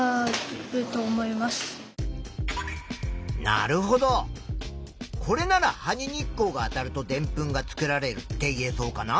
なるほどこれなら「葉に日光があたるとでんぷんが作られる」って言えそうかな？